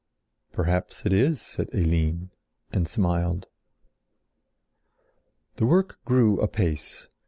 "Perhaps it is," said Eline, and smiled. The work grew apace.